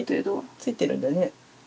ついてるんだね。